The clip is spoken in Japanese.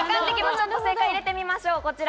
正解を入れてみましょう、こちら！